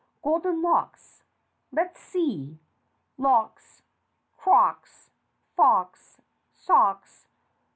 Golden locks. Let's see. Locks, crocks, fox, socks.